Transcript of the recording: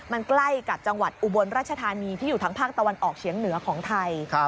มันใกล้กับจังหวัดอุบลราชธานีที่อยู่ทางภาคตะวันออกเฉียงเหนือของไทย